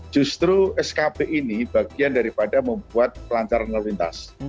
justru skp ini bagian daripada membuat pelancaran melintas